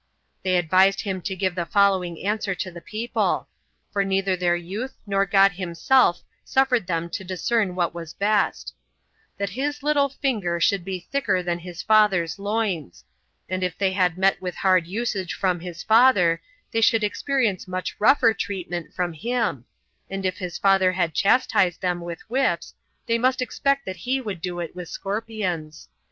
They advised him to give the following answer to the people [for neither their youth nor God himself suffered them to discern what was best]: That his little finger should be thicker than his father's loins; and if they had met with hard usage from his father, they should experience much rougher treatment from him; and if his father had chastised them with whips, they must expect that he would do it with scorpions.